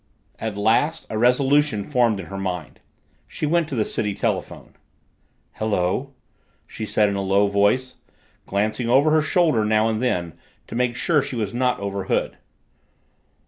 At last a resolution formed in her mind. She went to the city telephone. "Hello," she said in a low voice, glancing over her shoulder now and then to make sure she was not overheard.